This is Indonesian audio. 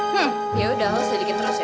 hmm yaudah lo sedikit terus ya